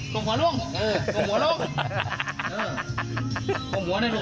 ก้มหัวลูกเออก้มหัวลูก